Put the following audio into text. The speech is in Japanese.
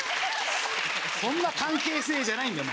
そんな関係性じゃないんだよ